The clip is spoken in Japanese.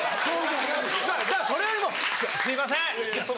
それよりも「すいません」。